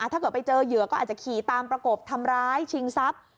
ถ้าเกิดไปเจอเหยื่อก็อาจจะขี่ตามประกบทำร้ายชิงทรัพย์